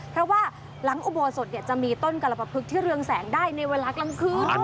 เพราะว่าหลังอุโบสถจะมีต้นกรปภึกที่เรืองแสงได้ในเวลากลางคืน